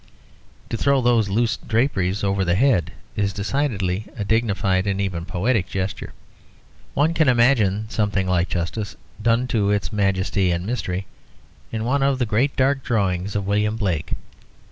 To throw those loose draperies over the head is decidedly a dignified and even poetic gesture. One can imagine something like justice done to its majesty and mystery in one of the great dark drawings of William Blake.